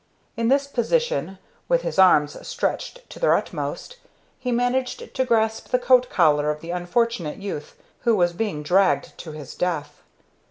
In this position, with his arms stretched to their utmost, he managed to grasp the coat collar of the unfortunate youth who was being dragged to his death.